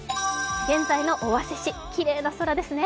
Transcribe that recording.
現在の尾鷲市、きれいな空ですね。